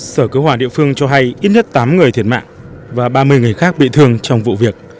sở cứu hỏa địa phương cho hay ít nhất tám người thiệt mạng và ba mươi người khác bị thương trong vụ việc